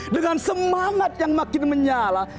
dengan semangat yang makin menyala